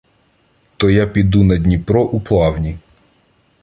— То я піду на Дніпро у плавні.